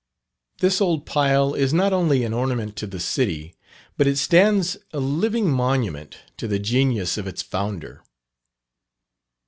This old pile is not only an ornament to the city, but it stands a living monument to the genius of its founder.